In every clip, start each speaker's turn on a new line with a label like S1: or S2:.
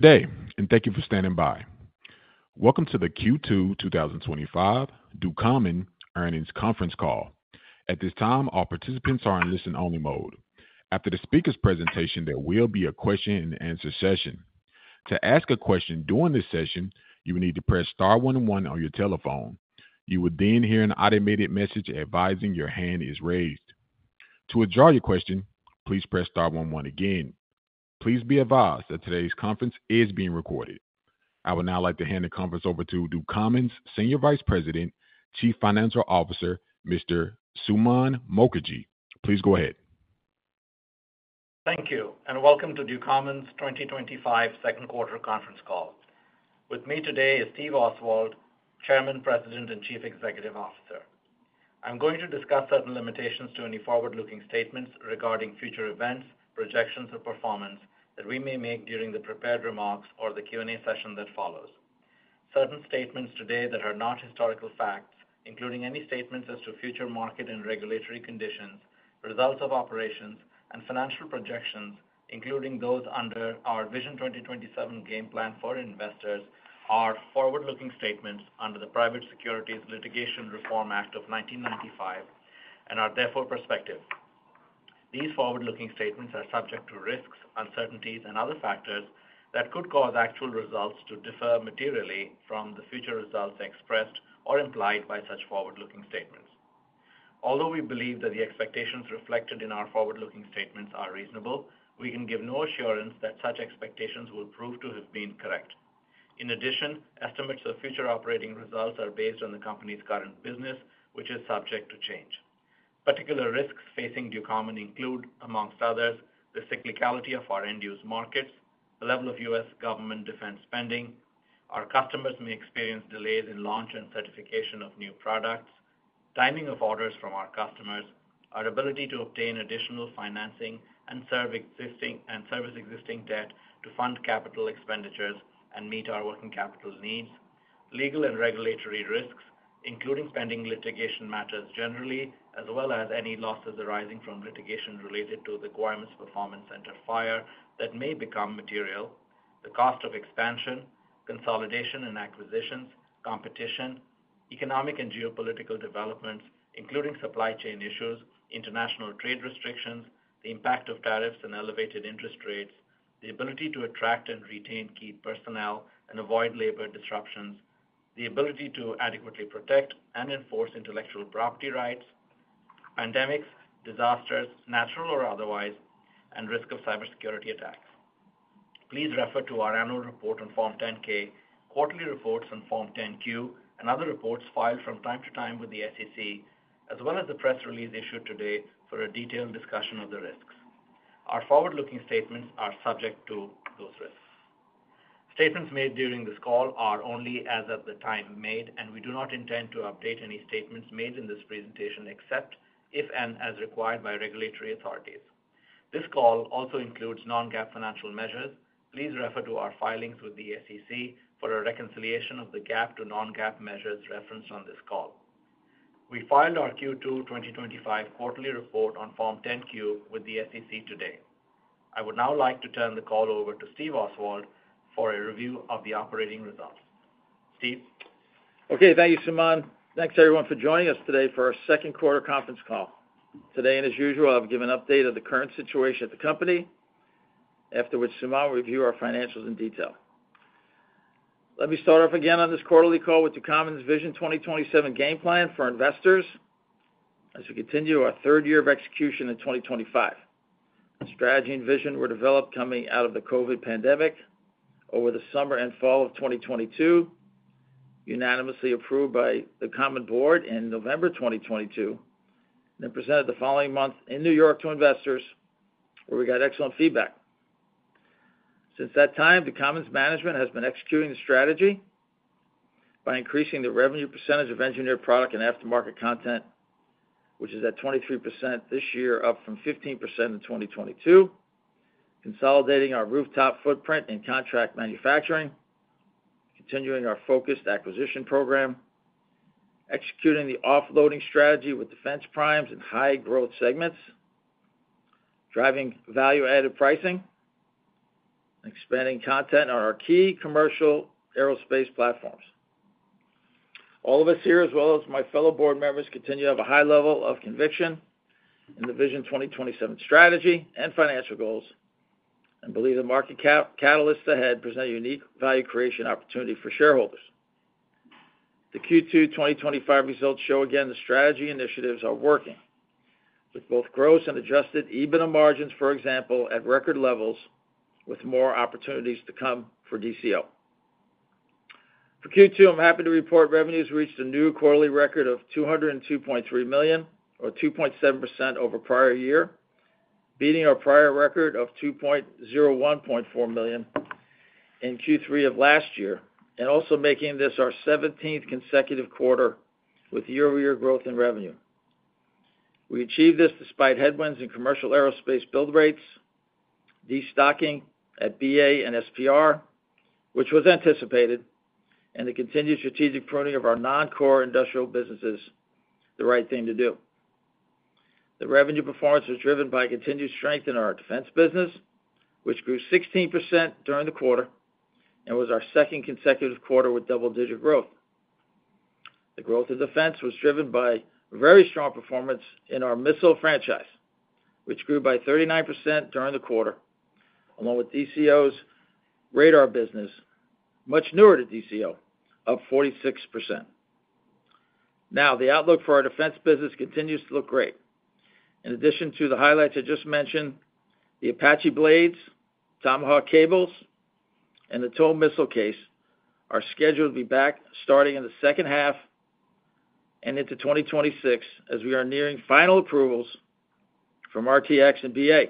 S1: Day and thank you for standing by. Welcome to the Q2 2025 Ducommun Earnings Conference Call. At this time, all participants are in listen-only mode. After the speaker's presentation, there will be a question-and-answer session. To ask a question during this session, you will need to press star one one on your telephone. You will then hear an automated message advising your hand is raised. To withdraw your question, please press star one one again. Please be advised that today's conference is being recorded. I would now like to hand the conference over to Ducommun's Senior Vice President, Chief Financial Officer, Mr. Suman Mookerji. Please go ahead.
S2: Thank you and welcome to Ducommun's 2025 Second Quarter Conference Call. With me today is Steve Oswald, Chairman, President and Chief Executive Officer. I am going to discuss certain limitations to any forward looking statements regarding future events, projections or performance that we may make during the prepared remarks or the Q&A session that follows. Certain statements today that are not historical facts, including any statements as to future market and regulatory conditions, results of operations and financial projections, including those under our Vision 2027 gameplan for investors, are forward looking statements under the Private Securities Litigation Reform Act of 1995 and are therefore prospective. These forward looking statements are subject to risks, uncertainties and other factors that could cause actual results to differ materially from the future results expressed or implied by such forward looking statements. Although we believe that the expectations reflected in our forward looking statements are reasonable, we can give no assurance that such expectations will prove to have been correct. In addition, estimates of future operating results are based on the company's current business, which is subject to change. Particular risks facing Ducommun include, amongst others, the cyclicality of our end use markets, the level of U.S government defense spending, our customers may experience delays in launch and certification of new products, timing of orders from our customers, our ability to obtain additional financing and service existing debt to fund capital expenditures and meet our working capital needs, legal and regulatory risks including spending litigation matters generally, as well as any losses arising from litigation related to the COIMS Performance Center fire that may become material, the cost of expansion, consolidation and acquisitions, competition, economic and geopolitical developments including supply chain issues, international trade restrictions, the impact of tariffs and elevated interest rates, the ability to attract and retain key personnel and avoid labor disruptions, the ability to adequately protect and enforce intellectual property rights, pandemics, disasters, natural or otherwise, and risk of cybersecurity attacks. Please refer to our annual report on Form 10-K, quarterly reports on Form 10-Q and other reports filed from time to time with the SEC, as well as the press release issued today for a detailed discussion of the risks. Our forward looking statements are subject to those risks. Statements made during this call are only as of the time made and we do not intend to update any statements made in this presentation except if and as required by regulatory authorities. This call also includes non-GAAP financial measures. Please refer to our filings with the SEC for a reconciliation of the GAAP to non-GAAP measures referenced on this call. We filed our Q2 2025 quarterly report on Form 10-Q with the SEC today. I would now like to turn the call over to Steve Oswald for a review of the operating results. Steve.
S3: Okay, thank you, Suman. Thanks everyone for joining us today for our second quarter conference call today, and as usual, I'll give an update of the current situation at the company after which Suman will review our financials in detail. Let me start off again on this quarterly call with Ducommun's Vision 2027 game plan for investors as we continue our third year of execution in 2025. The strategy and vision were developed coming out of the COVID pandemic over the summer and fall of 2022, unanimously approved by the Ducommun Board in November 2022, then presented the following month in New York to investors where we got excellent feedback. Since that time, Ducommun's management has been executing the strategy by increasing the revenue percentage of engineered product and aftermarket content, which is at 23% this year, up from 15% in 2022, consolidating our rooftop footprint in contract manufacturing, continuing our focused acquisition program, executing the offloading strategy with defense primes and high growth segments, driving value-added pricing, expanding content on our key commercial aerospace platforms. All of us here, as well as my fellow board members, continue to have a high level of conviction in the Vision 2027 strategy and financial goals and believe the market cap catalysts ahead present a unique value creation opportunity for shareholders. The Q2 2025 results show again the strategy initiatives are working, with both gross and adjusted EBITDA margins, for example, at record levels with more opportunities to come for this year. For Q2, I'm happy to report revenues reached a new quarterly record of $202.3 million, or 2.7% over prior year, beating our prior record of $201.4 million in Q3 of last year and also making this our 17th consecutive quarter with year-over-year growth in revenue. We achieved this despite headwinds in commercial aerospace build rates, destocking at BA and NSPR, which was anticipated, and the continued strategic pruning of our non-core industrial businesses, the right thing to do. The revenue performance was driven by continued strength in our defense business, which grew 16% during the quarter and was our second consecutive quarter with double-digit growth. The growth in defense was driven by very strong performance in our missile franchise, which grew by 39% during the quarter, along with DCO's radar business, much newer to DCO, up 46%. Now, the outlook for our defense business continues to look great. In addition to the highlights I just mentioned, the Apache blades, Tomahawk cables, and the TOW missile case are scheduled to be back starting in the second half and into 2026 as we are nearing final approvals from RTX and BA.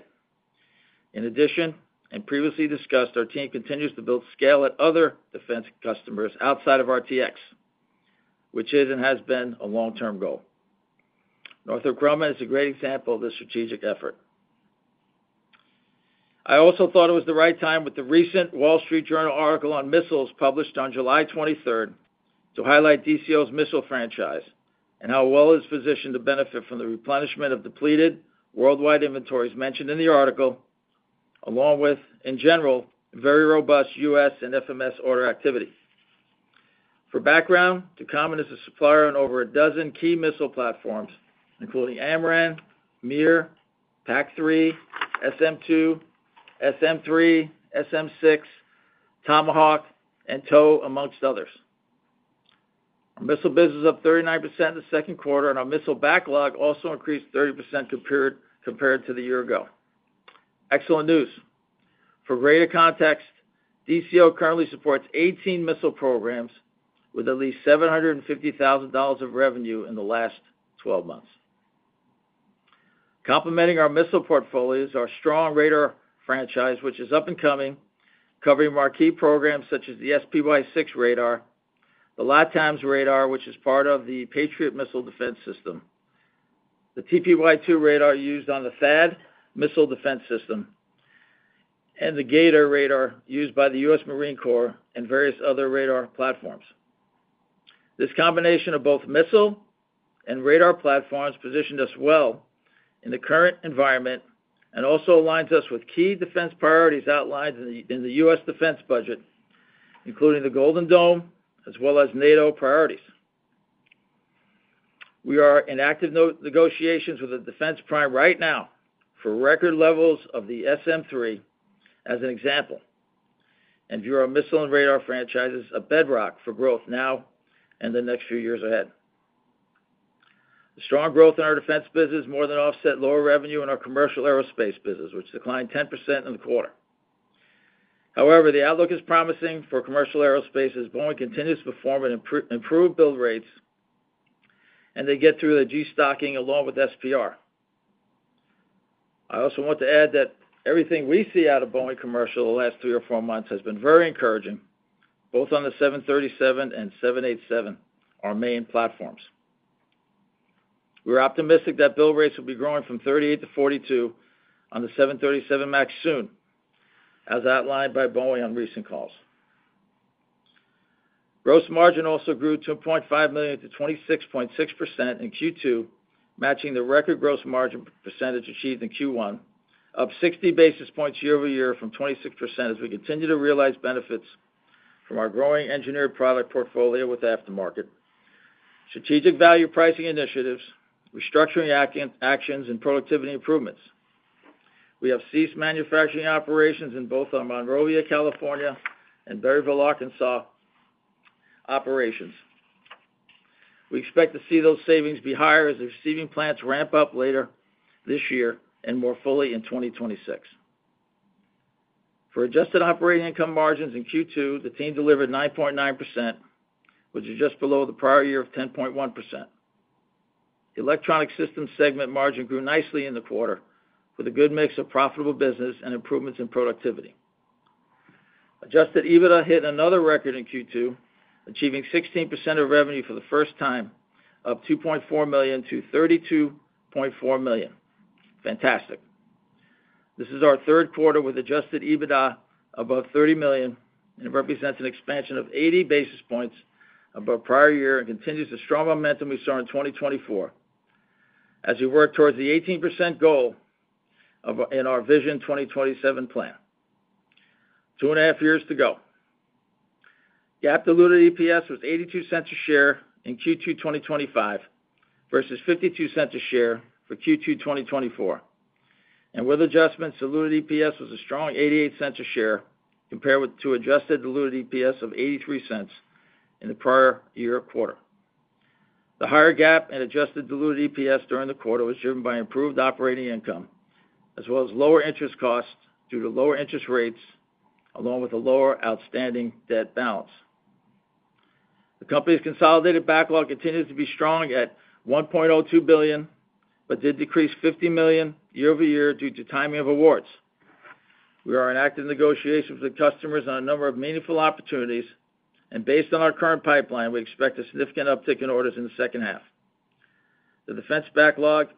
S3: In addition, and previously discussed, our team continues to build scale at other defense customers outside of RTX, which is and has been a long-term goal. Northrop Grumman is a great example of this strategic effort. I also thought it was the right time, with the recent Wall Street Journal article on missiles published on July 23rd, to highlight DCO's missile franchise and how well it is positioned to benefit from the replenishment of depleted worldwide inventories mentioned in the article, along with, in general, very robust U.S. and FMS order activity. For background, Ducommun is a supplier on over a dozen key missile platforms including AMRAAM, MIR, PAC-3, SM-2, SM-3, SM-6, Tomahawk, and TOW, amongst others. Missile business was up 39% in the second quarter, and our missile backlog also increased 30% compared to the year ago. Excellent news. For greater context, DCO currently supports 18 missile programs with at least $750,000 of revenue in the last 12 months. Complementing our missile portfolio, our strong radar franchise which is up and coming, covering marquee programs such as the SPY-6 radar, the LATAMs radar which is part of the Patriot missile defense system, the TPY-2 radar used on the THAAD missile defense system, and the G/ATOR radar used by the U.S. Marine Corps and various other radar platforms. This combination of both missile and radar platforms positions us well in the current environment and also aligns us with key defense priorities outlined in the U.S. Defense budget, including the Golden Dome as well as NATO priorities. We are in active negotiations with the defense prime right now for record levels of the SM-3 as an example and view our missile and radar franchises as a bedrock for growth now and in the next few years ahead. The strong growth in our defense business more than offset lower revenue in our commercial aerospace business, which declined 10% in the quarter. However, the outlook is promising for commercial aerospace as Boeing continues to perform and improve build rates as they get through the destocking along with SPR. I also want to add that everything we see out of Boeing commercial the last three or four months has been very encouraging, both on the 737 MAX and 787, our main platforms. We're optimistic that build rates will be growing from 38 to 42 on the 737 MAX soon, as outlined by Boeing on recent calls. Gross margin also grew $2.5 million-26.6% in Q2, matching the record gross margin percentage achieved in Q1, up 60 basis points year-over-year from 26% as we continue to realize benefits from our growing engineered product portfolio with aftermarket strategic value pricing initiatives, restructuring actions, and productivity improvements. We have ceased manufacturing operations in both our Monrovia, California, and Berryville, Arkansas, operations. We expect to see those savings be higher as receiving plants ramp up later this year and more fully in 2026. For adjusted operating income margins in Q2, the team delivered 9.9%, which is just below the prior year of 10.1%. Electronic Systems segment margin grew nicely in the quarter with a good mix of profitable business and improvements in productivity. Adjusted EBITDA hit another record in Q2, achieving 16% of revenue for the first time, up $2.4 million-$32.4 million. Fantastic. This is our third quarter with adjusted EBITDA above $30 million and represents an expansion of 80 basis points above prior year and continues the strong momentum we saw in 2024 as we work towards the 18% goal in our Vision 2027 strategy. Two and a half years to go. GAAP diluted EPS was $0.82 a share in Q2 2025 versus $0.52 a share for Q2 2024, and with adjustments, diluted EPS was a strong $0.88 a share compared with adjusted diluted EPS of $0.83 in the prior year quarter. The higher GAAP and adjusted diluted EPS during the quarter was driven by improved operating income as well as lower interest costs due to lower interest rates along with a lower outstanding debt balance. The company's consolidated backlog continues to be strong at $1.02 billion but did decrease $50 million year-over-year due to timing of awards. We are in active negotiations with customers on a number of meaningful opportunities, and based on our current pipeline, we expect a significant uptick in orders in the second half. The defense backlog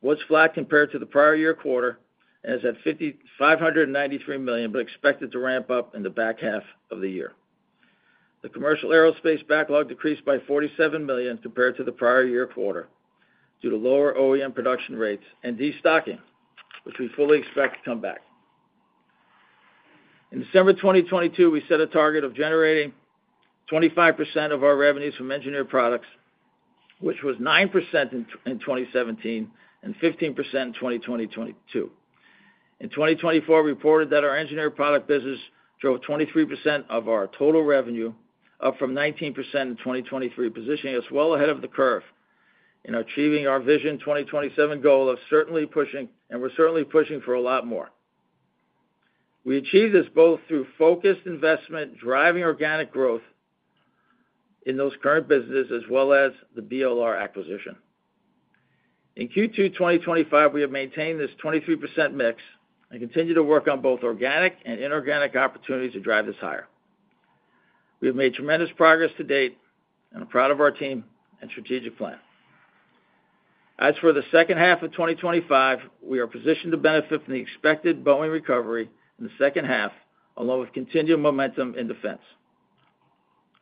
S3: was flat compared to the prior year quarter at $593 million but expected to ramp up in the back half of the year. The commercial aerospace backlog decreased by $47 million compared to the prior year quarter due to lower OEM production rates and destocking, which we fully expect to come back. In December 2022, we set a target of generating 25% of our revenues from engineered products, which was 9% in 2017 and 15% in 2020, 2022. In 2024, we reported that our engineered product business drove 23% of our total revenue, up from 19% in 2023, positioning us well ahead of the curve in achieving our Vision 2027 goal, and we're certainly pushing for a lot more. We achieved this both through focused investment driving organic growth in those current business as well as the BLR acquisition in Q2 2025. We have maintained this 23% mix and continue to work on both organic and inorganic opportunities to drive this higher. We have made tremendous progress to date and are proud of our team and strategic plan. As for the second half of 2025, we are positioned to benefit from the expected Boeing recovery in the second half along with continued momentum in defense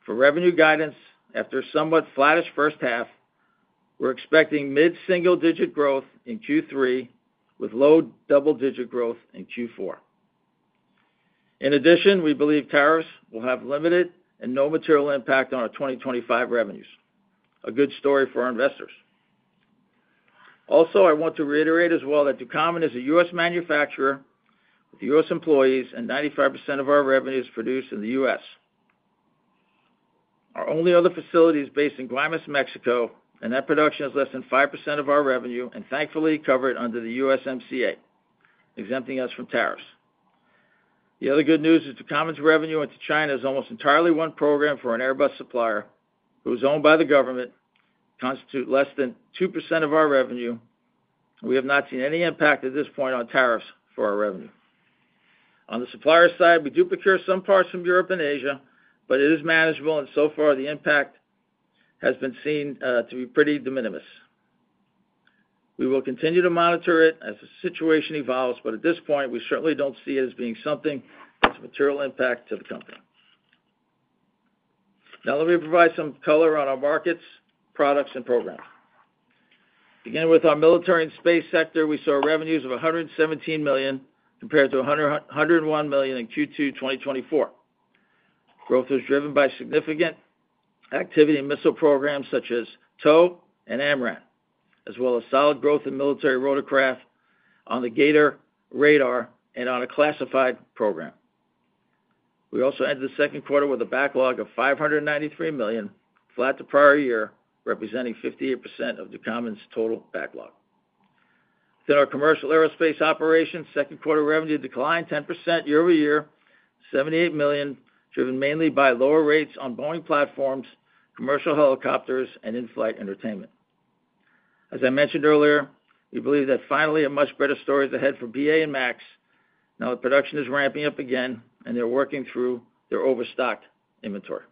S3: for revenue guidance. After a somewhat flattish first half, we're expecting mid single digit growth in Q3 with low double digit growth in Q4. In addition, we believe tariffs will have limited and no material impact on our 2025 revenues, a good story for our investors. Also, I want to reiterate as well that Ducommun is a U.S. manufacturer with U.S. employees and 95% of our revenue is produced in the U.S. Our only other facility is based in Guaymas, Mexico, and that production is less than 5% of our revenue and thankfully covered under the USMCA, exempting us from tariffs. The other good news is Ducommun's revenue into China is almost entirely one program for an Airbus supplier that is owned by the government, constituting less than 2% of our revenue. We have not seen any impact at this point on tariffs for our revenue. On the supplier side, we do procure some parts from Europe and Asia, but it is manageable and so far the impact has been seen to be pretty de minimis. We will continue to monitor it as the situation evolves, but at this point we certainly don't see it as being something that's a material impact to the company. Now let me provide some color on our markets, products, and program. Beginning with our military and space sector, we saw revenues of $117 million compared to $101 million in Q2 2024. Growth was driven by significant activity in missile programs such as TOW and AMRAAM as well as solid growth in military rotorcraft on the G/ATOR radar and on a classified program. We also ended the second quarter with a backlog of $593 million, flat to prior year, representing 58% of Ducommun's total backlog. In our commercial aerospace operations second quarter revenue declined 10% year-over-year to $78 million, driven mainly by lower rates on Boeing platforms, commercial helicopters, and in-flight entertainment. As I mentioned earlier, we believe that finally a much better story is ahead for BA and MAX now that production is ramping up again and they're working through their overstocked inventory.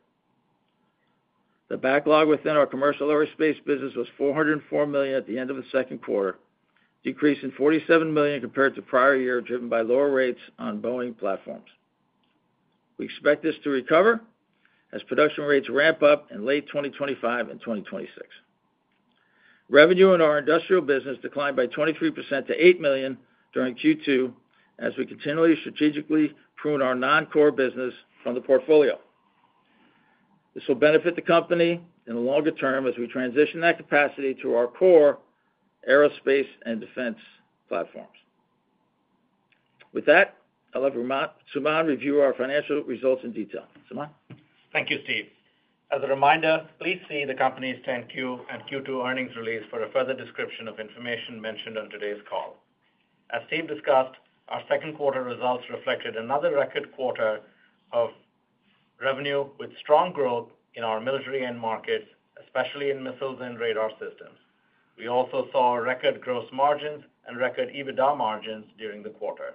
S3: The backlog within our commercial aerospace business was $404 million at the end of the second quarter, a decrease of $47 million compared to prior year, driven by lower rates on Boeing platforms. We expect this to recover as production rates ramp up in late 2025 and 2026. Revenue in our industrial business declined by 23% to $8 million during Q2 as we continually strategically prune our non-core business from the portfolio. This will benefit the company in the longer term as we transition that capacity to our core aerospace and defense platforms. With that, I'll have Suman review our financial results in detail.
S2: Thank you, Steve. As a reminder, please see the company's 10-Q and Q2 earnings release for a further description of information mentioned on today's call. As Steve discussed, our second quarter results reflected another record quarter of revenue with strong growth in our military end markets, especially in missiles and radar systems. We also saw record gross margins and record EBITDA margins during the quarter.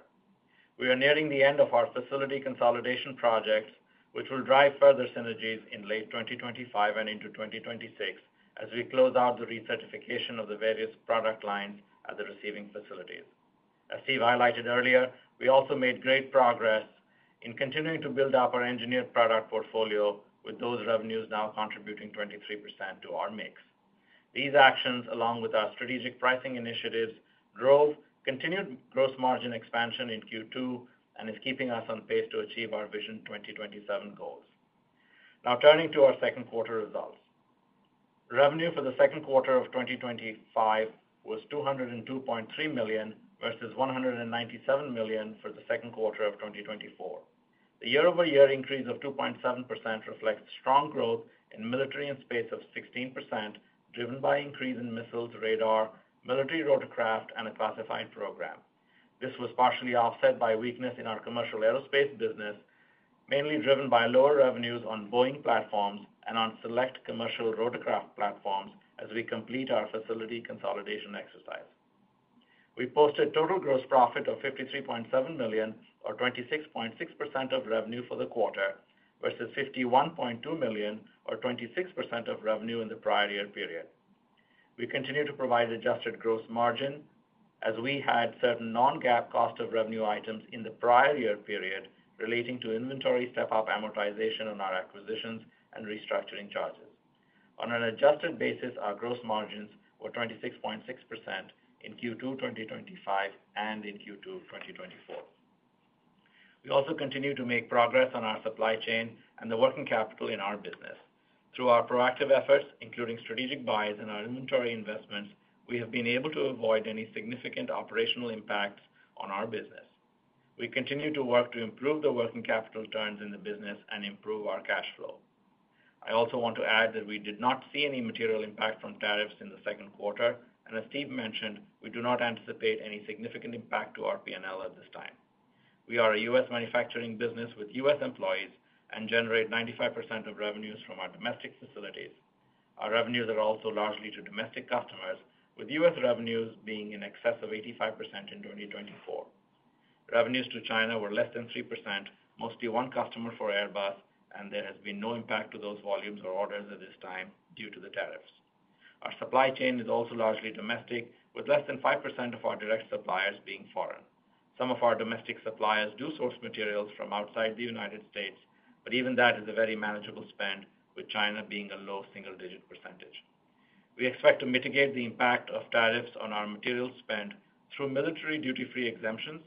S2: We are nearing the end of our facility consolidation projects, which will drive further synergies in late 2025 and into 2026 as we close out the recertification of the various product lines at the receiving facilities. As Steve highlighted earlier, we also made great progress in continuing to build up our engineered product portfolio, with those revenues now contributing 23% to our mix. These actions, along with our strategic pricing initiatives, drove continued gross margin expansion in Q2 and are keeping us on pace to achieve our Vision 2027 goals. Now turning to our second quarter results, revenue for the second quarter of 2025 was $202.3 million versus $197 million for the second quarter of 2024. The year-over-year increase of 2.7% reflects strong growth in military and space of 16% and was driven by increases in missiles, radar, military rotorcraft, and a classified program. This was partially offset by weakness in our commercial aerospace business, mainly driven by lower revenues on Boeing platforms and on select commercial rotorcraft platforms. As we complete our facility consolidation exercise, we posted total gross profit of $53.7 million, or 26.6% of revenue for the quarter, versus $51.2 million, or 26% of revenue in the prior year period. We continue to provide adjusted gross margin as we had certain non-GAAP cost of revenue items in the prior year period relating to inventory step-up amortization on our acquisitions and restructuring charges. On an adjusted basis, our gross margins were 26.6% in Q2 2025 and in Q2 2024. We also continue to make progress on our supply chain and the working capital in our business. Through our proactive efforts, including strategic buyers and our inventory investments, we have been able to avoid any significant operational impacts on our business. We continue to work to improve the working capital turns in the business and improve our cash flow. I also want to add that we did not see any material impact from tariffs in the second quarter, and as Steve mentioned, we do not anticipate any significant impact to RP&L at this time. We are a U.S. manufacturing business with U.S. employees and generate 95% of revenues from our domestic facilities. Our revenues are also largely to domestic customers with U.S. revenues being in excess of 85%. In 2024, revenues to China were less than 3%, mostly one customer for Airbus, and there has been no impact to those volumes or orders at this time due to the tariffs. Our supply chain is also largely domestic with less than 5% of our direct suppliers being foreign. Some of our domestic suppliers do source materials from outside the United States, but even that is a very manageable spend with China being a low single digit percentage. We expect to mitigate the impact of tariffs on our material spend through military duty free exemptions,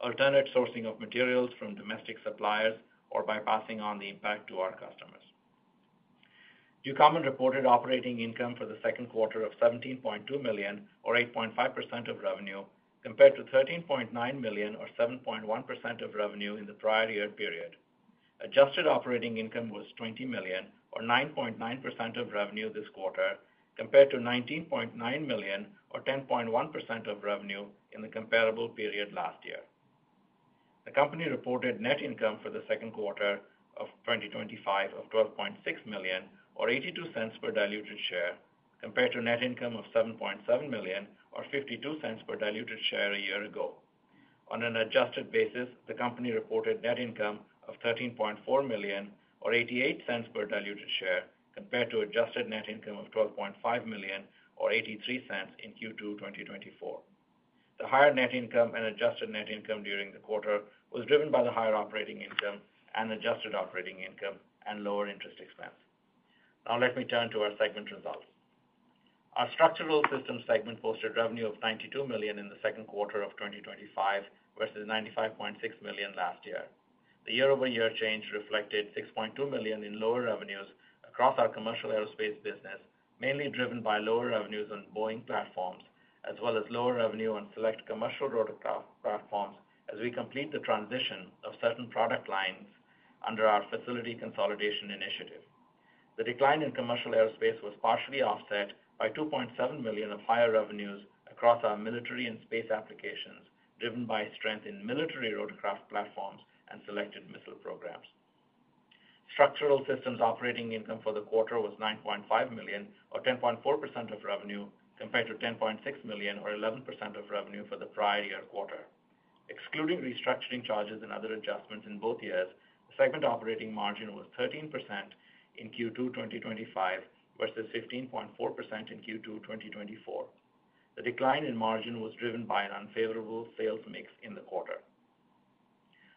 S2: alternate sourcing of materials from domestic suppliers, or by passing on the cost back to our customers. Ducommun reported operating income for Q2 of $17.2 million or 8.5% of revenue, compared to $13.9 million or 7.1% of revenue in the prior year period. Adjusted operating income was $20 million or 9.9% of revenue this quarter compared to $19.9 million or 10.1% of revenue in the comparable period last year. The Company reported net income for the second quarter of 2025 of $12.6 million or $0.82 per diluted share, compared to net income of $7.7 million or $0.52 per diluted share a year ago. On an adjusted basis, the company reported net income of $13.4 million or $0.88 per diluted share compared to adjusted net income of $12.5 million or $0.83 in Q2 2024. The higher net income and adjusted net income during the quarter was driven by the higher operating income and adjusted operating income and lower interest expense. Now let me turn to our segment results. Our structural systems segment posted revenue of $92 million in the second quarter of 2025 versus $95.6 million last year. The year-over-year change reflected $6.2 million in lower revenues across our commercial aerospace business, mainly driven by lower revenues on Boeing platforms as well as lower revenue on select commercial rotor platforms. As we complete the transition of certain product lines under our facility consolidation initiative, the decline in commercial aerospace was partially offset by $2.7 million of higher revenues across our military and space applications, driven by strength in military rotorcraft platforms and selected missile programs. Structural systems operating income for the quarter was $9.5 million or 10.4% of revenue, compared to $10.6 million or 11% of revenue for the prior year quarter. Excluding restructuring charges and other adjustments in both years, the segment operating margin was 13% in Q2 2025 versus 15.4% in Q2 2024. The decline in margin was driven by an unfavorable sales mix in the quarter.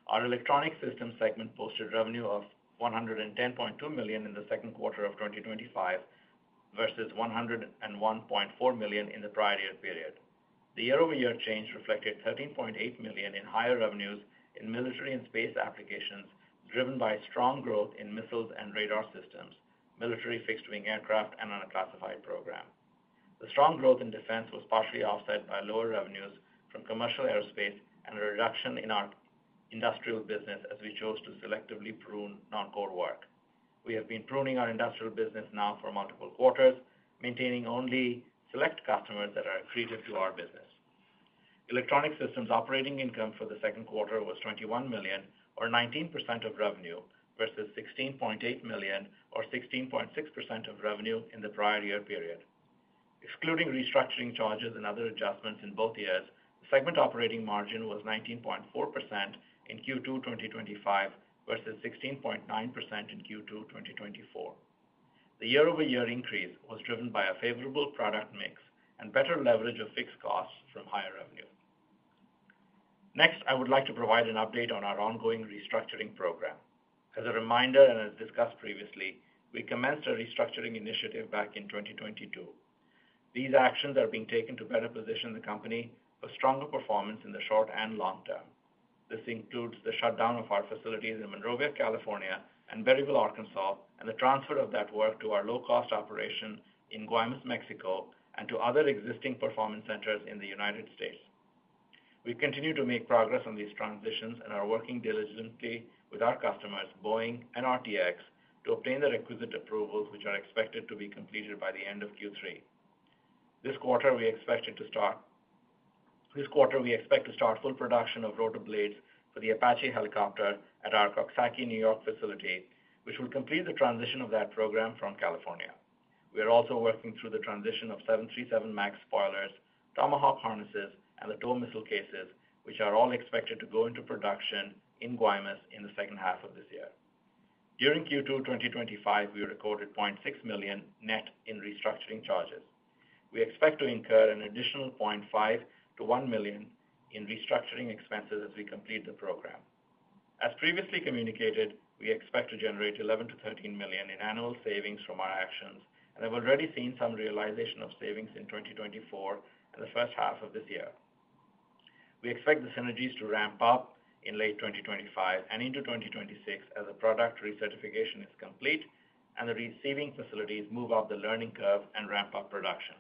S2: Our electronic systems segment posted revenue of $110.2 million in the second quarter of 2025 versus $101.4 million in the prior year period. The year-over-year change reflected $13.8 million in higher revenues in military and space applications, driven by strong growth in missiles and radar systems, military fixed wing aircraft, and on a classified program. The strong growth in defense was partially offset by lower revenues from commercial aerospace and a reduction in our industrial business as we chose to selectively prune non-core work. We have been pruning our industrial business now for multiple quarters, maintaining only select customers that are accretive to our business. Electronic systems operating income for the second quarter was $21 million or 19% of revenue versus $16.8 million or 16.6% of revenue in the prior year period. Excluding restructuring charges and other adjustments in both years, the segment operating margin was 19.4% in Q2 2025 versus 16.9% in Q2 2024. The year-over-year increase was driven by a favorable product mix and better leverage of fixed costs from higher revenue. Next, I would like to provide an update on our ongoing restructuring program. As a reminder and as discussed previously, we commenced a restructuring initiative back in 2022. These actions are being taken to better position the company for stronger performance in the short and long term. This includes the shutdown of our facilities in Monrovia, California, and Berryville, Arkansas, and the transfer of that work to our low-cost operation in Guaymas, Mexico, and to other existing performance centers in the United States. We continue to make progress on these transitions and are working diligently with our customers Boeing and RTX to obtain the requisite approvals, which are expected to be completed by the end of Q3. This quarter, we expect to start full production of rotor blades for the Apache helicopter at our Coxsackie, NY facility, which will complete the transition of that program from California. We are also working through the transition of 737 MAX spoilers, Tomahawk harnesses, and the TOW missile cases, which are all expected to go into production in Guaymas in the second half of this year. During Q2 2025, we recorded $0.6 million net in restructuring charges. We expect to incur an additional $0.5-$1 million in restructuring expenses as we complete the program. As previously communicated, we expect to generate $11 million-$13 million in annual savings from our actions and have already seen some realization of savings in 2024 and the first half of this year. We expect the synergies to ramp up in late 2025 and into 2026 as product recertification is complete and the receiving facilities move up the learning curve and ramp up production.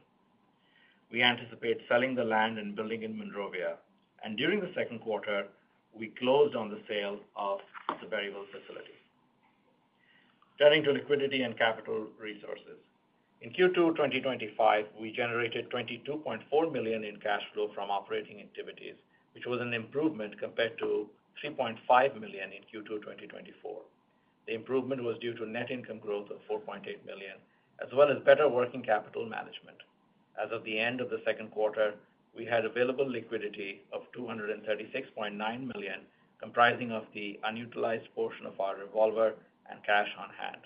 S2: We anticipate selling the land and building in Monrovia, and during the second quarter, we closed on the sale of the Siberiaville facility. Turning to liquidity and capital resources, in Q2 2025, we generated $22.4 million in cash flow from operating activities, which was an improvement compared to $3.5 million in Q2 2024. The improvement was due to net income growth of $4.8 million as well as better working capital management. As of the end of the second quarter, we had available liquidity of $236.9 million, comprising the unutilized portion of our revolver and cash on hand.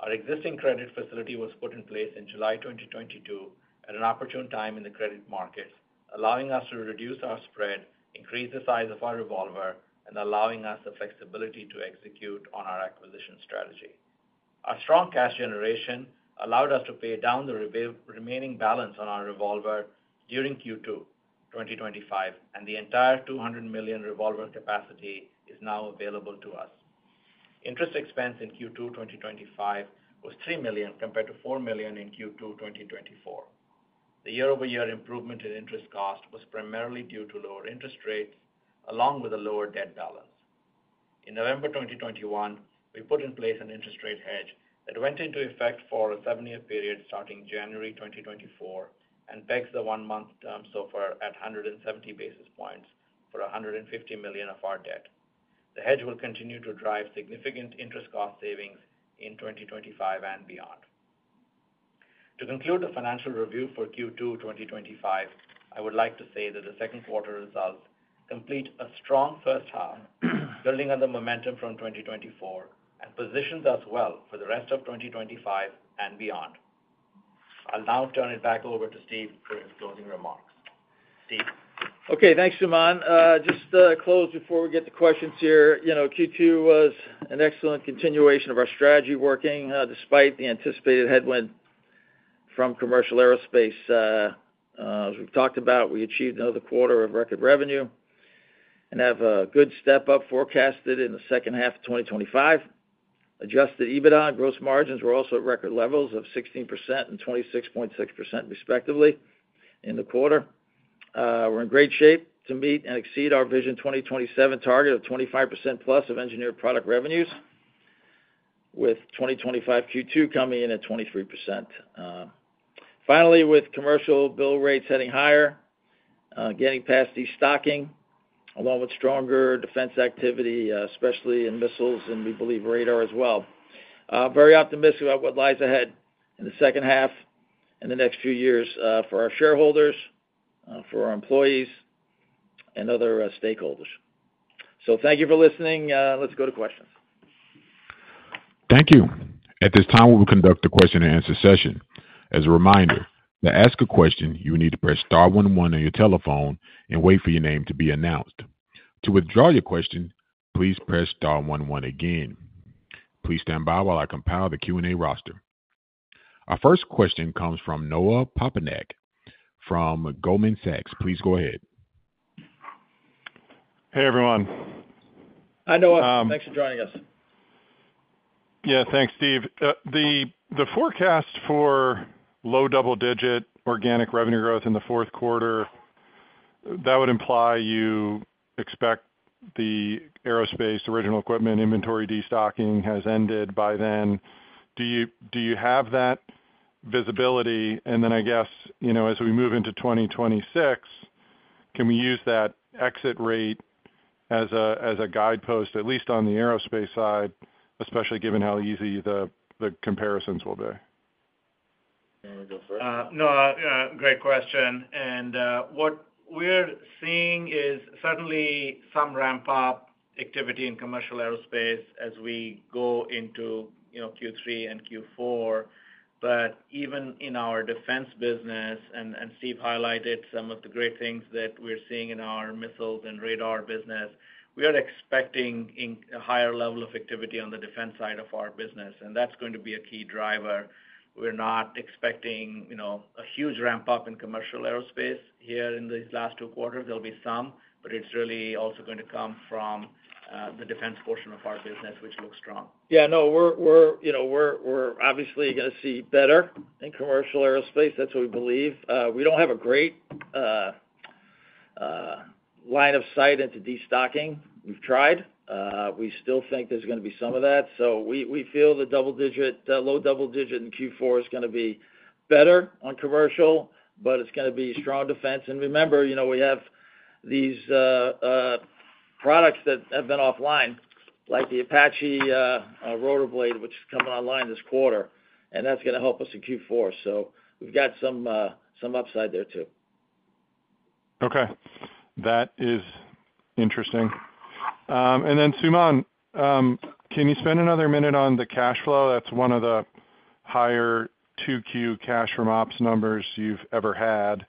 S2: Our existing credit facility was put in place in July 2022 at an opportune time in the credit market, allowing us to reduce our spread, increase the size of our revolver, and allowing us the flexibility to execute on our acquisition strategy. Our strong cash generation allowed us to pay down the remaining balance on our revolver during Q2 2025, and the entire $200 million revolver capacity is now available to us. Interest expense in Q2 2025 was $3 million compared to $4 million in Q2 2024. The year-over-year improvement in interest cost was primarily due to lower interest rates along with a lower debt balance. In November 2021, we put in place an interest rate hedge that went into effect for a seven-year period starting January 2024 and pegs the one-month term SOFR at 170 basis points for $150 million of our debt. The hedge will continue to drive significant interest cost savings in 2025 and beyond. To conclude the financial review for Q2 2025, I would like to say that the second quarter results complete a strong first half, building on the momentum from 2024 and positions us well for the rest of 2025 and beyond. I'll now turn it back over to Steve for his closing remarks.
S3: Okay, thanks Suman. Just close before we get to questions here. You know Q2 was an excellent continuation of our strategy working despite the anticipated headwind from commercial aerospace. As we've talked about, we achieved another quarter of record revenue and have a good step up forecasted in the second half of 2025. Adjusted EBITDA, gross margins were also at record levels of 16% and 26.6% respectively in the quarter. We're in great shape to meet and exceed our Vision 2027 target of 25%+ of engineered product revenues with 2025 Q2 coming in at 23%. Finally, with commercial bill rates heading higher, getting past destocking along with stronger defense activity, especially in missiles and we believe radar as well, very optimistic about what lies ahead in the second half and the next few years for our shareholders, for our employees and other stakeholders. Thank you for listening. Let's go to questions.
S1: Thank you. At this time we will conduct a question-and-answer session. As a reminder, to ask a question, you need to press star one one on your telephone and wait for your name to be announced. To withdraw your question, please press star one one again. Please stand by while I compile the Q&A roster. Our first question comes from Noah Poponak from Goldman Sachs. Please go ahead.
S4: Hey everyone.
S3: Hi Noah. Thanks for joining us.
S4: Yeah, thanks, Steve. The forecast for low double-digit organic revenue growth in the fourth quarter, that would imply you expect the aerospace original equipment inventory destocking has ended by then. Do you have that visibility? As we move into 2026, can we use that exit rate as a guidepost at least on the aerospace side, especially given how easy the comparisons will be?
S2: No, great question. What we're seeing is certainly some ramp up activity in commercial aerospace as we go into Q3 and Q4. Even in our defense business, Steve highlighted some of the great things that we're seeing in our missiles and radar business. We are expecting a higher level of activity on the defense side of our business and that's going to be a key driver. We're not expecting a huge ramp up in commercial aerospace here in these last two quarters. There'll be some, but it's really also going to come from the defense portion of our business, which looks strong.
S3: Yeah, no, we're obviously going to see better in commercial aerospace. That's what we believe. We don't have a great line of sight into destocking. We've tried. We still think there's going to be some of that. We feel the low double digit in Q4 is going to be better on commercial, but it's going to be strong defense. Remember, we have these products that have been offline like the Apache rotor blade, which is coming online this quarter and that's going to help us in Q4. We've got some upside there too.
S4: Okay, that is interesting. Suman, can you spend another minute on the cash flow? That's one of the higher 2Q cash from Ops numbers you've ever had.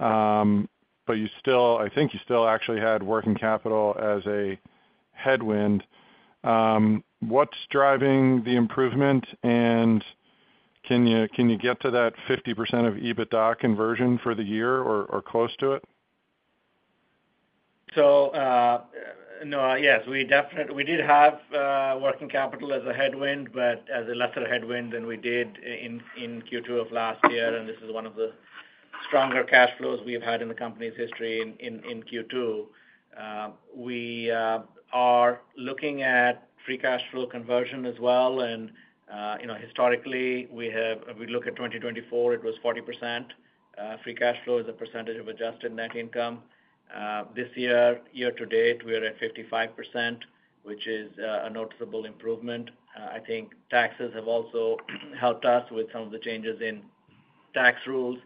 S4: You still, I think you still actually had working capital as a headwind. What's driving the improvement? Can you get to that 50% of EBITDA conversion for the year or close to it?
S2: No, yes, we did have working capital as a headwind, but as a lesser headwind than we did in Q2 of last year. This is one of the stronger cash flows we've had in the company's history. In Q2, we are looking at free cash flow conversion as well. Historically, we look at 2024, it was 40% free cash flow as a percentage of adjusted net income this year. Year to date, we are at 55%, which is a noticeable improvement. I think taxes have also helped us with some of the changes in tax rules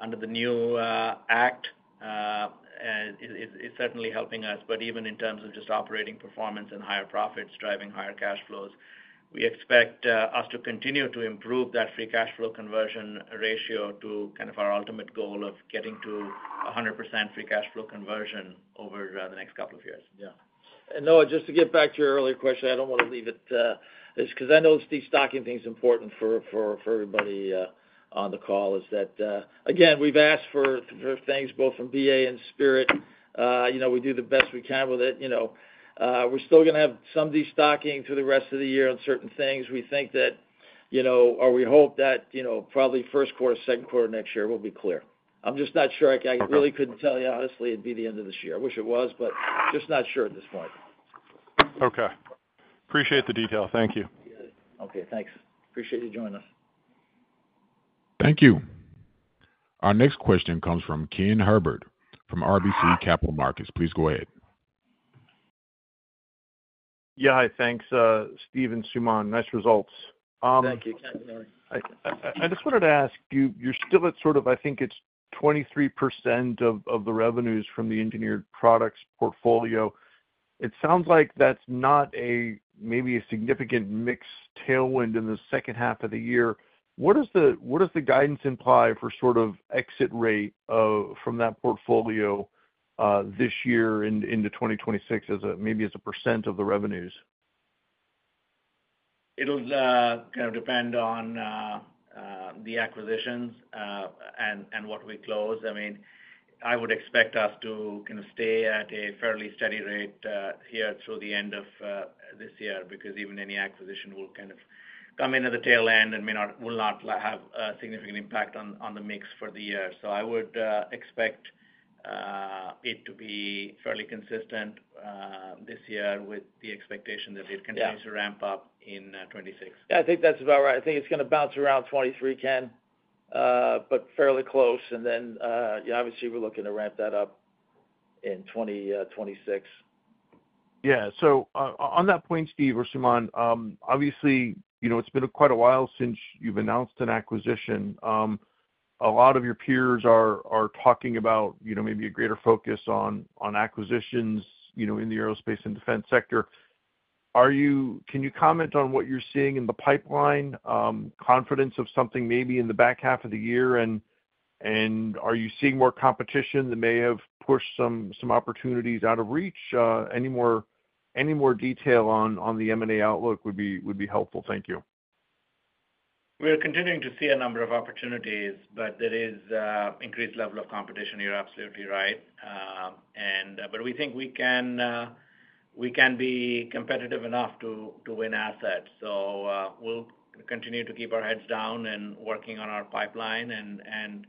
S2: under the new act. It's certainly helping us. Even in terms of just operating performance and higher profits driving higher cash flows, we expect us to continue to improve that free cash flow conversion ratio to kind of our ultimate goal of getting to 100% free cash flow conversion over the next couple of years. Yeah.
S3: Noah, just to get back to your earlier question, I don't want to leave it because I know destocking is important for everybody on the call. Again, we've asked for things both from BA and Spirit, you know, we do the best we can with it. We're still going to have some destocking through the rest of the year on certain things. We think that, or we hope that, probably first quarter or second quarter next year will be clear. I'm just not sure. I really couldn't tell you, honestly, it'd be the end of this year. I wish it was, but just not sure at this point.
S4: Okay. Appreciate the detail. Thank you.
S3: Okay, thanks. Appreciate you joining us.
S4: Thank you.
S1: Our next question comes from Ken Herbert from RBC Capital Markets. Please go ahead.
S5: Yeah, thanks. Stephen and Suman, nice results.
S3: Thank you, Kevin.
S5: I just wanted to ask you, you're still at sort of, I think it's 23% of the revenues from the engineered products portfolio. It sounds like that's not a maybe a significant mix tailwind in the second half of the year. What does the guidance imply for sort of exit rate from that portfolio this year into 2026 as maybe as a percent of the revenues?
S2: It'll kind of depend on the acquisitions and what we close. I mean, I would expect us to stay at a fairly steady rate here through the end of this year because even any acquisition will come in at the tail end and will not have a significant impact on the mix for the year. I would expect it to be fairly consistent this year with the expectation that it continues to ramp up in 2026.
S3: Yeah, I think that's about right. I think it's going to bounce around 23, Ken, but fairly close. We're looking to ramp that up in 2026.
S5: Yeah. On that point, Steve or Suman obviously it's been quite a while since you've announced an acquisition. A lot of your peers are talking about maybe a greater focus on acquisitions in the aerospace and defense sector. Can you comment on what you're seeing in the pipeline confidence of something maybe in the back half of the year and are you seeing more competition that may have pushed some opportunities out of reach? Any more detail on the M&A and outlook would be helpful. Thank you.
S2: We are continuing to see a number of opportunities, but there is increased level of competition. You're absolutely right. We think we can be competitive enough to win assets. We will continue to keep our heads down and working on our pipeline and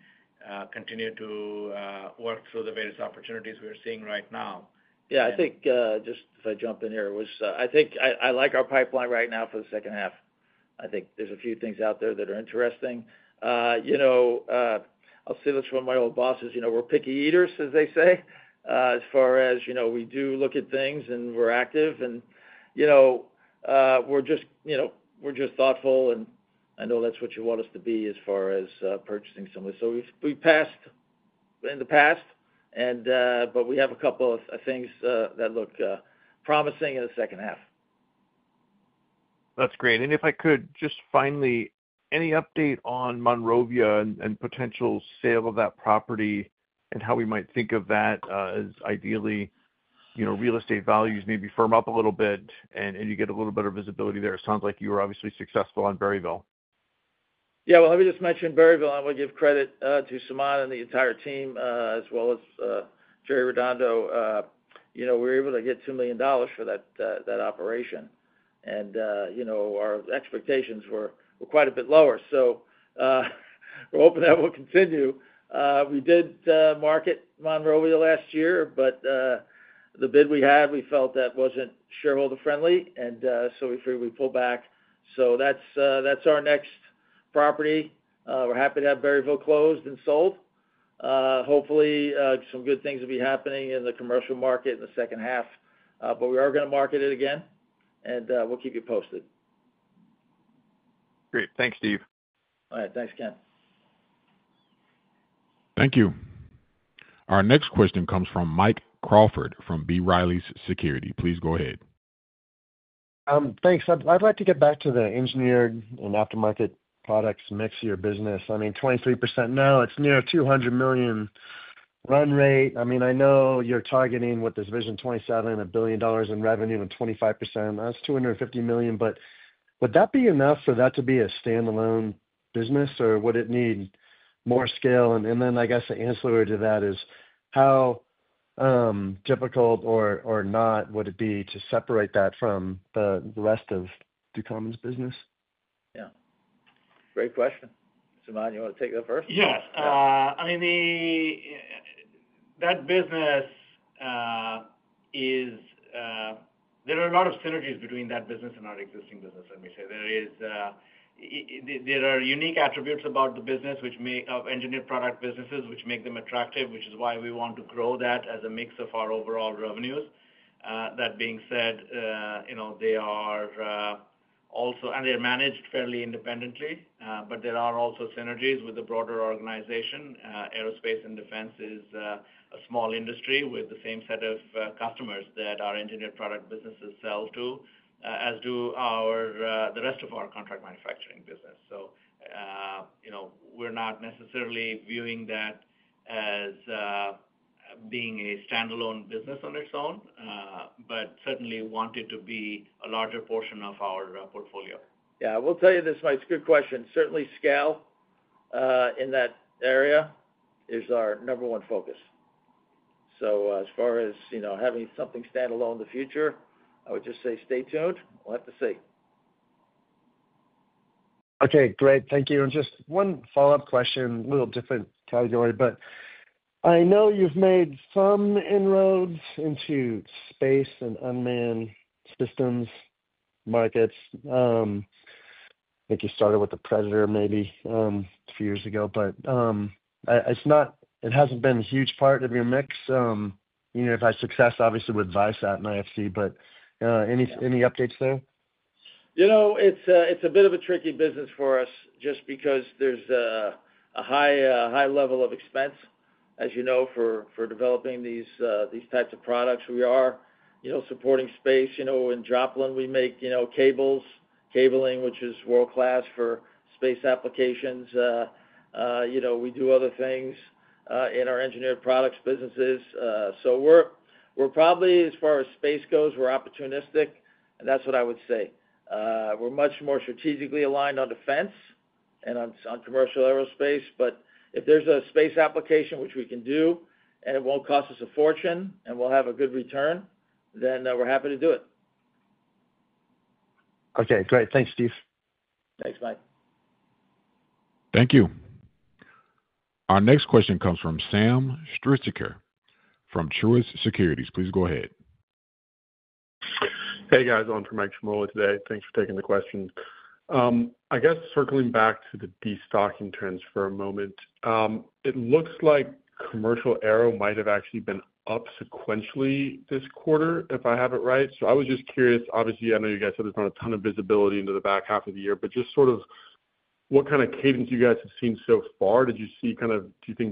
S2: continue to work through the various opportunities we are seeing right now.
S3: Yeah, I think I jump in here. I think I like our pipeline right now for the second half. I think there's a few things out there that are interesting. I'll say this from my old bosses, you know, we're picky eaters, as they say. As far as, you know, we do look at things and we're active and, you know, we're just thoughtful. I know that's what you want us to be as far as purchasing somebody. We passed in the past, but we have a couple of things that look promising in the second half.
S5: That's great. If I could just finally, any update on Monrovia and potential sale of that property and how we might think of that as ideally, you know, real estate values maybe firm up a little bit and you get a little better visibility there. It sounds like you were obviously successful on Berryville.
S3: Yeah, let me just mention Berryville. I want to give credit to Suman and the entire team, as well as Jerry Redondo. We were able to get $2 million for that operation, and our expectations were quite a bit lower. We're hoping that will continue. We did market Monroe last year, but the bid we had, we felt that wasn't shareholder friendly, and we figured we'd pull back. That's our next property. We're happy to have Berryville closed and sold. Hopefully some good things will be happening in the commercial market in the second half. We are going to market it again, and we'll keep you posted.
S5: Great. Thanks, Steve.
S3: All right. Thanks, Ken.
S1: Thank you. Our next question comes from Mike Crawford from B. Riley Securities. Please go ahead.
S6: Thanks. I'd like to get back to the engineered and aftermarket products. Mix your business, I mean, 23% now, it's near $200 million run rate. I mean, I know you're targeting with this Vision 2027 strategy, $1 billion in revenue, and 25%, that's $250 million. Would that be enough for that to be a standalone business, or would it need more scale? I guess the answer to that is how difficult or not would it be to separate that from the rest of Ducommun's business?
S3: Yeah, great question, Suman you want to take that first?
S2: Yeah. I mean, there are a lot of synergies between that business and our existing business. There are unique attributes about the business, which many engineered product businesses have, which make them attractive, which is why we want to grow that as a mix of our overall revenues. That being said, they are also managed fairly independently, but there are also synergies with the broader organization. Aerospace and defense is a small industry with the same set of customers that our engineered product businesses sell to, as do the rest of our contract manufacturing business. We're not necessarily viewing that as being a standalone business on its own, but certainly want it to be a larger portion of our portfolio.
S3: It's a good question, Mike. Certainly, scale in that area is our number one focus. As far as having something standalone in the future, I would just say stay tuned. We'll have to see.
S6: Okay, great. Thank you. Just one follow up question. A little different category, but I know you've made some inroads into space and unmanned systems markets. I think you started with the Predator maybe a few years ago, but it hasn't been a huge part of your mix. You know, nice success obviously with Viasat and IFC. Any updates there?
S3: It's a bit of a tricky business for us just because there's a high level of expense, as you know, for developing these types of products. We are supporting space. In Joplin, we make cables, cabling, which is world class for space applications. We do other things in our engineered products businesses. We're probably, as far as space goes, opportunistic and that's what I would say. We're much more strategically aligned on defense and on commercial aerospace. If there's a space application which we can do and it won't cost us a fortune and we'll have a good return, then we're happy to do it.
S6: Okay, great. Thanks, Steve.
S3: Thanks, Mike.
S1: Thank you. Our next question comes from Sam Struhsaker from Truist Securities. Please go ahead.
S7: Hey guys, I'm on for Mike Ciarmoli today. Thanks for taking the question. I guess circling back to the destocking trends for a moment, it looks like commercial aero might have actually been up sequentially this quarter if I have it right. I was just curious, obviously. I know you guys said there's not a ton of visibility into the back half of the year, but just sort of what kind of cadence you guys have seen so far. Do you think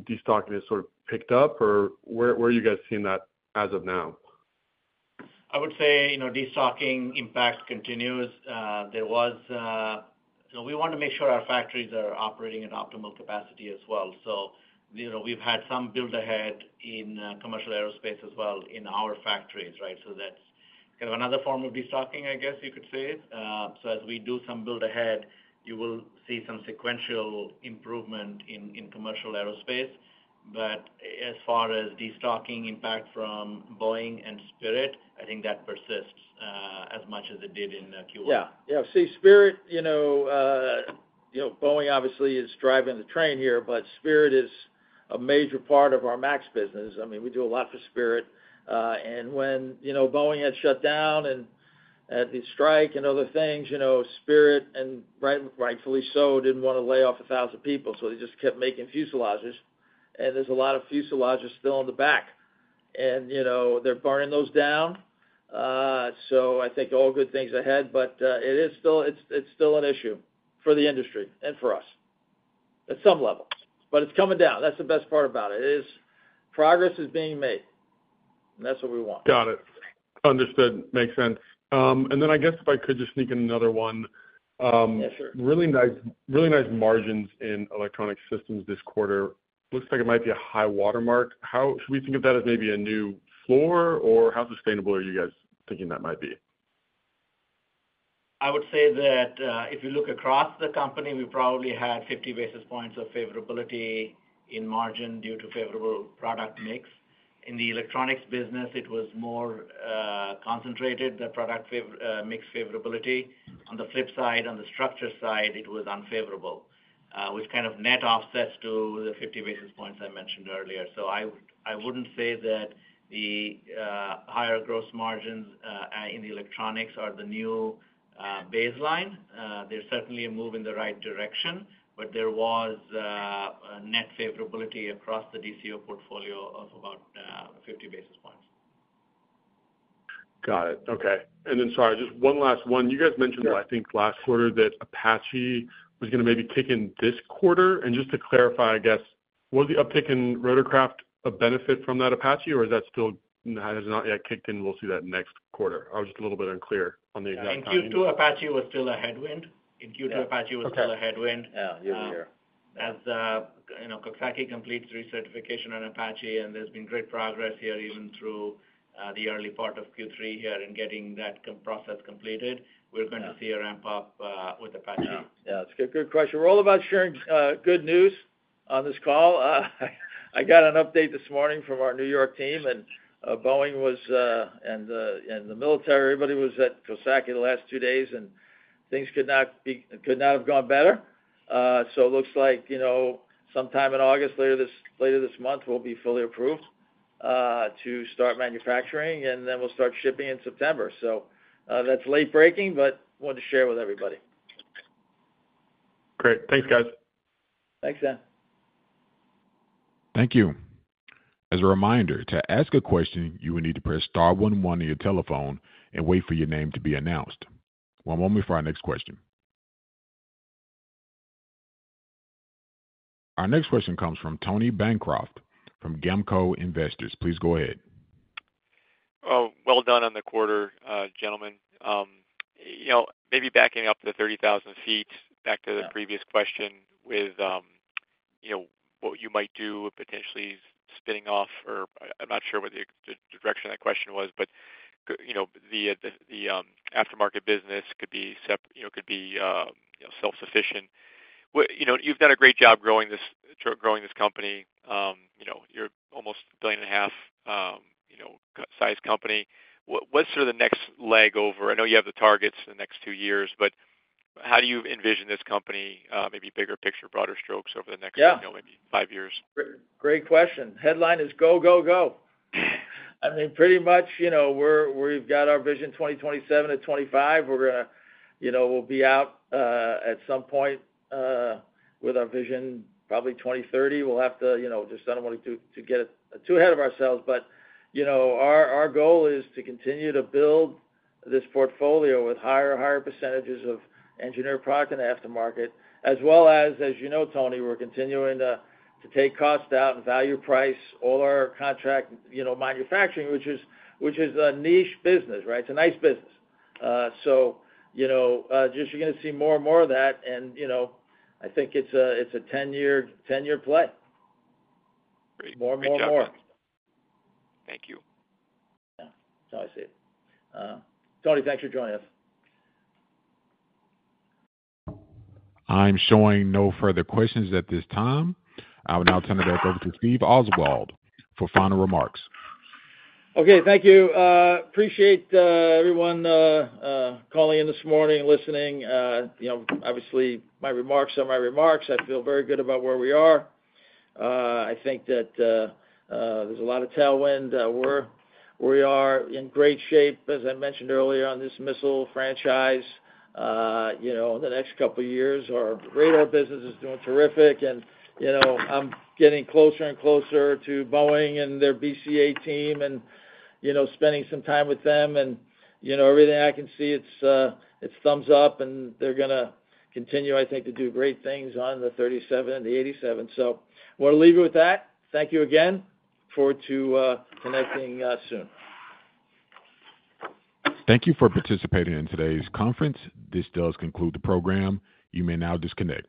S7: destocking has sort of picked up or where are you guys seeing that as of now?
S3: I would say destocking impact continues. We want to make sure our factories are operating at optimal capacity as well. We've had some build ahead in commercial aerospace as well in our factories. That's kind of another form of destocking, I guess you could say. As we do some build ahead, you will see some sequential improvement in commercial aerospace. As far as destocking impact from Boeing and Spirit, I think that persists as much as it did in Q1.
S2: Yeah, yeah. Boeing obviously is driving the train here, but Spirit is a major part of our MAX business. I mean, we do a lot for Spirit. When Boeing had shut down and at the strike and other things, you know, Spirit, and rightfully so, didn't want to lay off a thousand people. They just kept making fuselages and there's a lot of fuselages still in the back and, you know, they're burning those down. I think all good things ahead, but it is still an issue for the industry and for us at some level, but it's coming down. That's the best part about it. Progress is being made. That's what we want.
S7: Got it. Understood. Makes sense. I guess if I could just sneak in another one. Really nice, really nice margins in electronic systems. This quarter looks like it might be a high watermark. How should we think of that? As maybe a new floor, or how sustainable are you guys thinking that might be?
S2: I would say that if you look across the company, we probably had 50 basis points of favorability in margin due to favorable product mix. In the electronics business, it was more concentrated, the product mix favorability. On the flip side, on the structure side, it was unfavorable, which kind of net offsets to the 50 basis points I mentioned earlier. I wouldn't say that the higher gross margins in the electronics are the new baseline. There's certainly a move in the right direction, but there was a net favorability across the DCO portfolio of about 50 basis points.
S7: Got it. Okay. Sorry, just one last one. You guys mentioned, I think last quarter, that Apache was going to maybe kick in this quarter. Just to clarify, was the uptick in rotorcraft a benefit from that Apache, or is that still has not yet kicked in? We'll see that next quarter. I was a little bit unclear on the exact Q2.
S2: Apache was still a headwind in Q2. Apache was still a headwind. As you know, Coxsackie completes recertification on Apache and there's been great progress here, even through the early part of Q3 in getting that process completed. We're going to see a ramp up with Apache.
S3: Yeah, that's a good question. We're all about sharing good news on this call. I got an update this morning from our New York team and Boeing was, and the military, everybody was at Coxsackie the last two days and things could not be, could not have gone better. It looks like, you know, sometime in August, later this month we'll be fully approved to start manufacturing and then we'll start shipping in September. That's late breaking but want to share with everybody.
S7: Great, thanks guys.
S3: Thanks, Dan.
S1: Thank you. As a reminder to ask a question, you will need to press star one one on your telephone and wait for your name to be announced. One moment for our next question. Our next question comes from Tony Bancroft from GAMCO Investors. Please go ahead.
S8: Well done on the quarter, gentlemen. Maybe backing up to the 30,000 ft. Back to the previous question with what you might do potentially spinning off or I'm not sure what the direction that question was, but the aftermarket business could be self-sufficient. You've done a great job growing this, growing this company. You're almost a billion and a half size company. What's sort of the next leg over? I know you have the targets the next two years, but how do you envision this company? Maybe bigger picture, broader strokes over the next, maybe five years.
S3: Great question. Headline is go, go, go. I mean, pretty much, you know, we've got our Vision 2027 at 25. We're going to be out at some point with our vision, probably 2030. I don't want to get too ahead of ourselves, but our goal is to continue to build this portfolio with higher percentages of engineered product and aftermarket as well as, as you know, Tony, we're continuing to take cost out and value price all our contract manufacturing, which is a niche business. It's a nice business. You're going to see more and more of that, and I think it's a 10-year play. More and more and more.
S8: Thank you.
S3: Now I see it. Tony, thanks for joining us.
S1: I'm showing no further questions at this time. I will now turn it back over to Stephen Oswald for final remarks.
S3: Okay, thank you. Appreciate everyone calling in this morning listening. Obviously, my remarks are my remarks. I feel very good about where we are. I think that there's a lot of tailwind. We are in great shape. As I mentioned earlier on this missile franchise, in the next couple years, our radar business is doing terrific. I'm getting closer and closer to Boeing and their BCA team, spending some time with them, and everything I can see, it's thumbs up. They are going to continue, I think, to do great things on the 737 MAX and the 787. Want to leave you with that. Thank you again, forward to connecting soon.
S1: Thank you for participating in today's conference. This does conclude the program. You may now disconnect.